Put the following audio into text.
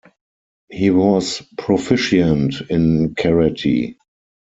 He was proficient in karate.